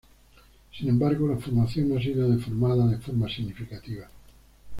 Sin embargo, la formación no ha sido deformada de forma significativa.